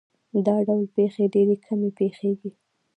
دا ډول پېښې ډېرې کمې پېښېږي.